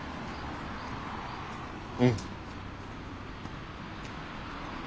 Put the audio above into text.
うん。